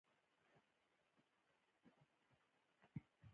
ولادیمیر پوتین اوږده وینا وکړه.